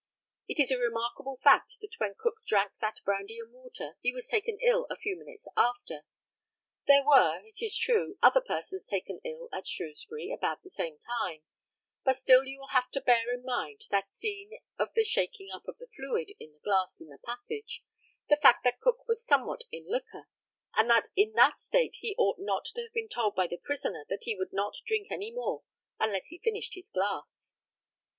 It is a remarkable fact, that when Cook drank that brandy and water, he was taken ill a few minutes after. There were, it is true, other persons taken ill at Shrewsbury about the same time; but still you will have to bear in mind that scene of the shaking up of the fluid in the glass in the passage, the fact that Cook was somewhat in liquor, and that in that state he ought not to have been told by the prisoner that he would not drink any more unless he finished his glass.